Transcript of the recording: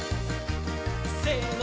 せの！